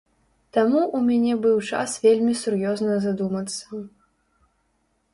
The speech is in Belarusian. Там у мяне быў час вельмі сур'ёзна задумацца.